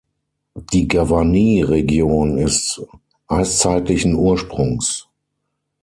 Die Gavarnie-Region ist eiszeitlichen Ursprungs.